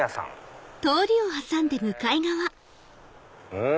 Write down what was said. うん？